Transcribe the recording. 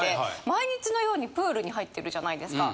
毎日のようにプールに入ってるじゃないですか。